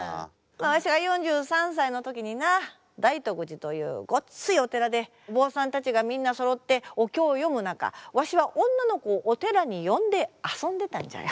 わしが４３歳の時にな大徳寺というごっついお寺で坊さんたちがみんなそろってお経を読む中わしは女の子をお寺に呼んで遊んでたんじゃよ。